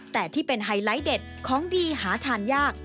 แต่ที่เป็นไฮไลท์เด็ดของดีหาทานยาก